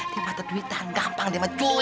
tiba tiba duitan gampang demet cuy